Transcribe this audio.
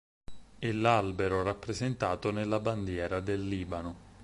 È l'albero rappresentato nella bandiera del Libano.